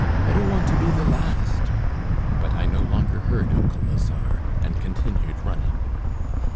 I don't want to be the last." But I no longer heard Uncle Lazare, and continued running.